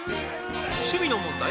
趣味の問題？